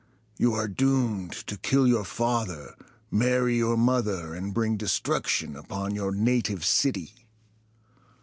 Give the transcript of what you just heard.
You are doomed to kill your father, marry your mother, and bring destruction upon your native city!"